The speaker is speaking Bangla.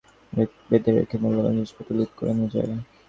পরে ডাকাতেরা বাড়ির সবাইকে বেঁধে রেখে মূল্যবান জিনিসপত্র লুট করে নিয়ে যায়।